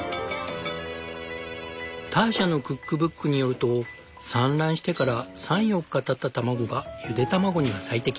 ターシャのクックブックによると産卵してから３４日たった卵がゆで卵には最適。